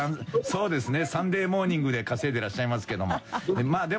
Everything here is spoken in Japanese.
「そうですね『サンデーモーニング』で稼いでらっしゃいますけども」